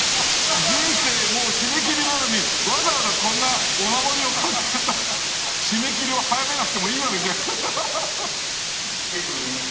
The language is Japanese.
人生もう締め切りなのにわざわざこんなお守りを買ってさ締め切りを早めなくてもいいような気がする。